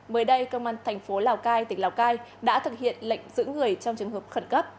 mới đây công an thành phố lào cai tỉnh lào cai đã thực hiện lệnh giữ người trong trường hợp khẩn cấp